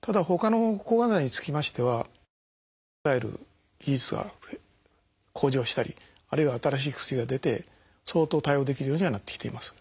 ただほかの抗がん剤につきましてはいろいろ副作用を抑える技術が向上したりあるいは新しい薬が出て相当対応できるようにはなってきています。